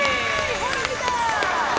ほら見た！